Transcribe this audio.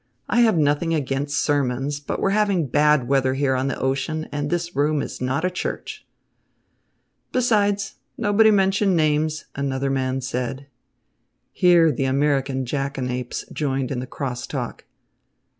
I have nothing against sermons, but we're having bad weather here on the ocean and this room is not a church." "Besides, nobody mentioned names," another man said. Here the American jackanapes joined in the cross talk.